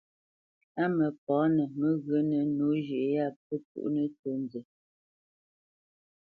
Á mǝpǎnǝ mǝghyǝnǝ nǒ zhʉ́ ya pǝ cuʼnǝ tsó nzɛ́.